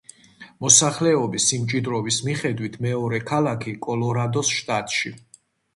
მოსახლეობის სიმჭიდროვის მიხედვით მეორე ქალაქი კოლორადოს შტატში.